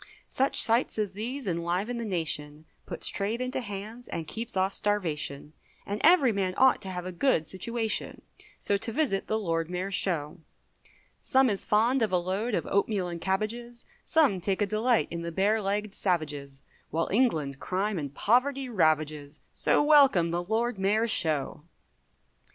Such sights as these enliven the nation, Puts trade into hands, and keeps off starvation; And every man ought to have a good situation, So to visit the Lord Mayor's show. Some is fond of a load of oatmeal & cabbages, Some take a delight in the bare legg'd savages, While England crime and poverty ravages, So welcome the Lord Mayor's show.